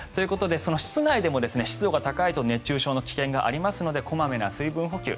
室内でも湿度が高いと熱中症の危険がありますので小まめな水分補給。